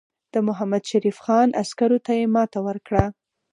د محمدشریف خان عسکرو ته یې ماته ورکړه.